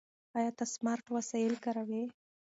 ایا ته سمارټ وسایل کاروې؟